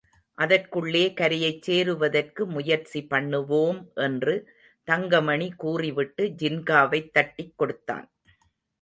அதற்குள்ளே கரையைச் சேருவதற்கு முயற்சி பண்ணுவோம் என்று தங்கமணி கூறிவிட்டு, ஜின்காவைத் தட்டிக் கொடுத்தான்.